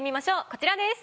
こちらです。